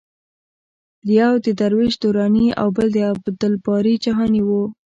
یو د درویش دراني او بل د عبدالباري جهاني و.